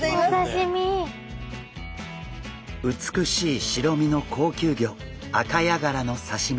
美しい白身の高級魚アカヤガラの刺身。